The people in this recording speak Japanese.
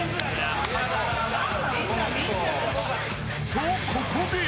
［とここで］